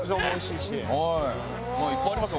いっぱいありますよ。